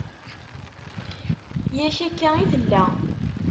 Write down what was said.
Yak akka i tella.